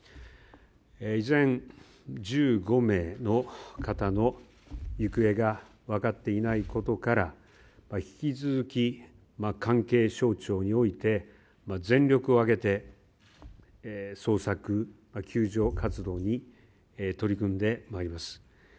依然、１５名の方の行方が分かっていないことから、引き続き、関係省庁において、全力を挙げて捜索・救助活動に取り組んでまいります。